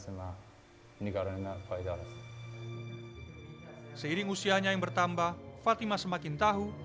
selama berusia yang bertambah fatima semakin tahu